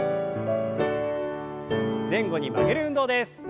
前後に曲げる運動です。